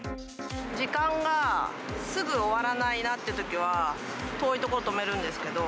時間がすぐ終わらないなってときは、遠い所に止めるんですけど。